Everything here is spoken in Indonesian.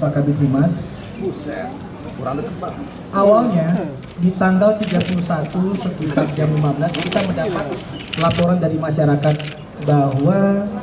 pak kapitrimas awalnya di tanggal tiga puluh satu lima belas kita mendapat laporan dari masyarakat bahwa